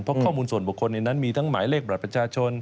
เพราะข้อมูลส่วนบุคคลในนั้นมีทั้งหมายเลขบัตรประชาชน